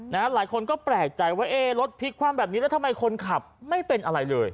หลายคนก็แปลกใจว่าเอ๊ะรถพลิกความแบบนี้แล้วทำไมคนขับไม่เป็นอะไรเลย